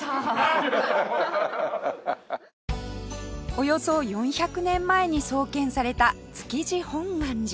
およそ４００年前に創建された築地本願寺